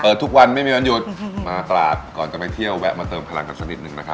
ทุกวันไม่มีวันหยุดมาตลาดก่อนจะไปเที่ยวแวะมาเติมพลังกันสักนิดนึงนะครับ